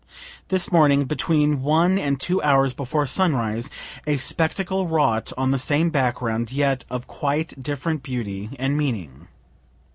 This morning, between one and two hours before sunrise, a spectacle wrought on the same background, yet of quite different beauty and meaning.